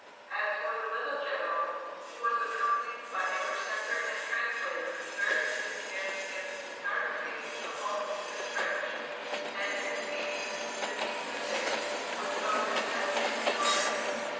As for the little General, who was accompanied by a preceptor and translator, he very soon began to give his entire speaking performances in French, and his piece "Petit Poucet" was spoken as if he were a native.